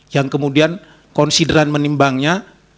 yang kemudian konsideran menimbangnya